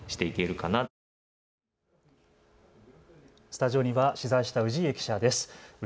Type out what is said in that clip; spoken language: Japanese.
スタジオには取材した氏家記者です。